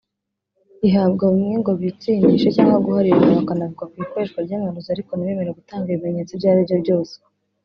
ihabwa bamwe ngo bitsindishe cyangwa guharirana bakanavuga ku ikoreshwa ry’amarozi ariko ntibemere gutanga ibimenyetso ibyo ari byose